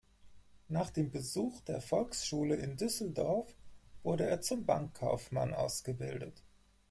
Nach dem Besuch der Volksschule in Düsseldorf wurde er zum Bankkaufmann ausgebildet.